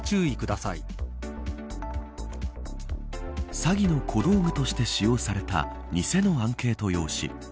詐欺の小道具として使用された偽のアンケート用紙。